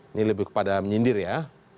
ini lebih kepada menyindir ya